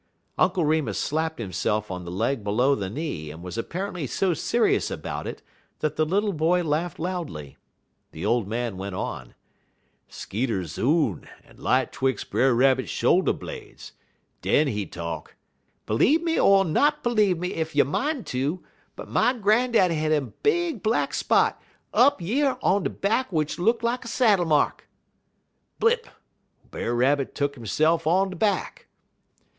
Uncle Remus slapped himself on the leg below the knee, and was apparently so serious about it that the little boy laughed loudly. The old man went on: "Skeeter zoon en light 'twix' Brer Rabbit shoulder blades. Den he talk: "'B'leeve me er not b'leeve me ef you min' to, but my grandaddy had a big black spot up yer on he back w'ich look lak saddle mark.' "_Blip Brer Rabbit tuck hisse'f on de back!